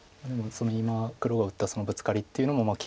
今黒が打ったブツカリっていうのも機敏で。